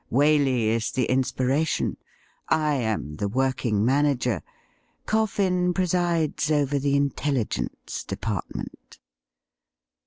Waley is the inspiration ; I am the working manager. CoiBn presides over the intelligence department.'